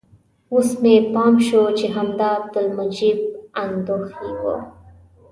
اوس مې پام شو چې همدا عبدالمجید اندخویي و.